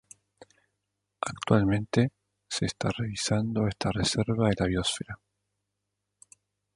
Actualmente se está revisando esta reserva de la biosfera.